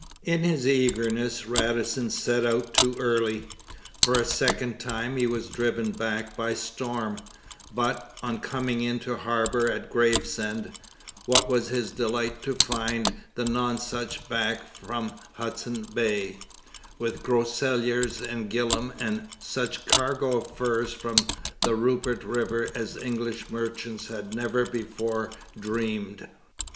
In his eagerness Radisson set out too early. For a second time he was driven back by storm, but, on coming in to harbour at Gravesend, what was his delight to find the Nonsuch back from Hudson Bay with Groseilliers and Gillam and such a cargo of furs from the Rupert river as English merchants had never before dreamed!